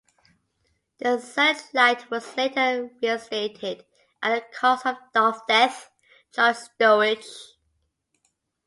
The searchlight was later reinstated at the cost of depth charge stowage.